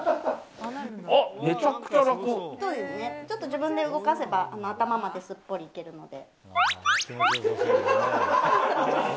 自分で動かせば頭まですっぽりいけるので。